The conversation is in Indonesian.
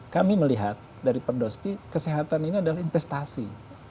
kami melihat dari pedospi kesehatan ini adalah investasi